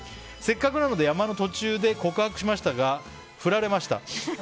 せっかくなので山の途中で告白しましたが振られました。